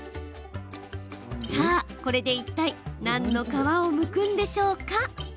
さあ、これで、いったい何の皮をむくんでしょうか？